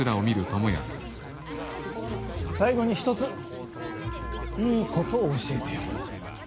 最後に一ついいことを教えてやる。